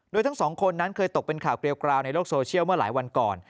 โดยทั้งสองคนนั้นเคยตกเป็นข่าวเกลียวกราวในโลกโซเชียลเมื่อหลายวันก่อน